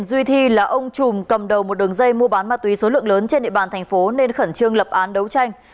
duy thi là ông chùm cầm đầu một đường dây mua bán ma túy số lượng lớn trên địa bàn thành phố nên khẩn trương lập án đấu tranh